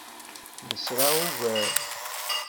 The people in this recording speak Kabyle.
Nesra ugar.